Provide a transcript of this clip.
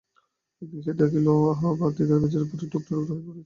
একদিন সে দেখিল, তাহা ভাঙিয়া মেজের উপরে টুকরা টুকরা হইয়া পড়িয়া আছে।